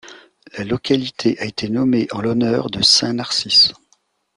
La localité a été nommée en l'honneur de saint Narcisse.